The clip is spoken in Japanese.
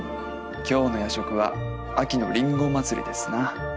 今日の夜食は秋の林檎祭りですな。